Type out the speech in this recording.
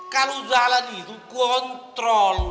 kalau jalan itu kontrol